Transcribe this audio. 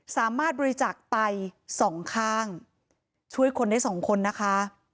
สามารถบริจาคไป๒ข้างช่วยคนได้๒คนนะคะ